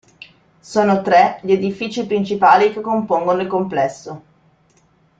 Sono tre gli edifici principali che compongono il complesso.